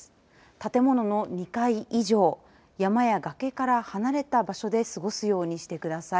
建物の２階以上山や崖から離れた場所で過ごすようにしてください。